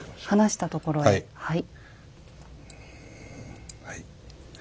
離したところへはい。